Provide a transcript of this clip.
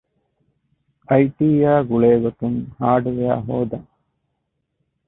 އައިޓީއާ ގުޅޭގޮތުން ހާރޑްވެއަރ ހޯދަން